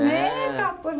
カップ酒。